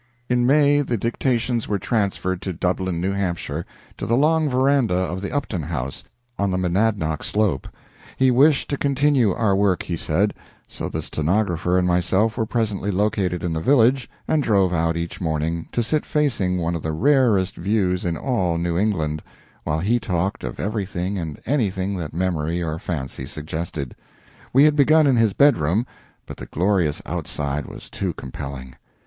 In May the dictations were transferred to Dublin, New Hampshire, to the long veranda of the Upton House, on the Monadnock slope. He wished to continue our work, he said; so the stenographer and myself were presently located in the village, and drove out each morning, to sit facing one of the rarest views in all New England, while he talked of everything and anything that memory or fancy suggested. We had begun in his bedroom, but the glorious outside was too compelling.